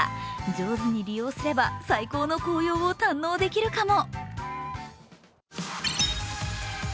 上手に利用すれば最高の紅葉を堪能できるかも。